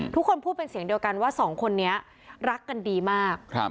ทุกคนพูดเป็นเสียงเดียวกันว่าสองคนนี้รักกันดีมาก